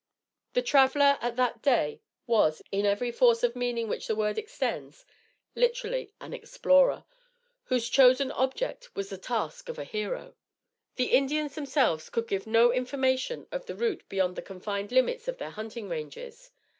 The traveller at that day was, in every force of meaning which the word extends, literally, an explorer, whose chosen object was the task of a hero. The Indians themselves could give no information of the route beyond the confined limits of their hunting ranges.